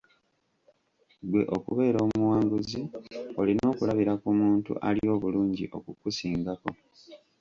Gwe okubeera omuwanguzi olina okulabira ku muntu ali obulungi okukusingako.